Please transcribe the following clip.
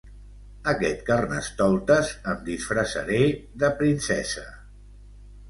Aquest carnestoltes em disfressaré de princesa.